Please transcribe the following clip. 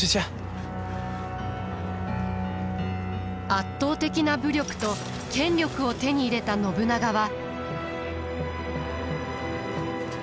圧倒的な武力と権力を手に入れた信長は。